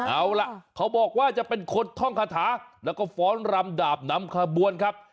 เอาล่ะเขาบอกว่าจะเป็นคนท่องคาถาแล้วก็ฟ้อนรำดาบนำขบวนครับ